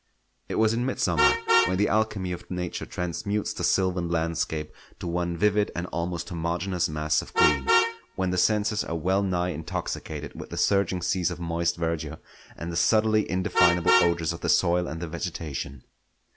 It was in mid summer, when the alchemy of Nature transmutes the sylvan landscape to one vivid and almost homogeneous mass of green; when the senses are well nigh intoxicated with the surging seas of moist verdure and the subtly indefinable odours of the soil and the vegetation.